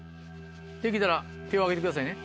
できたら手を挙げてくださいね。